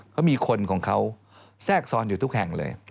เขามีคนของเขาแทรกซ้อนอยู่ทุกแห่งเลย